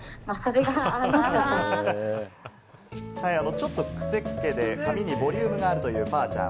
ちょっとクセッ毛で髪にボリュームがあるというパーちゃん。